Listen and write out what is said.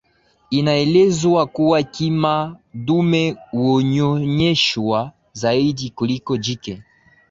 Inaelezwa kuwa Kima dume huonyonyeshwa zaidi kuliko jike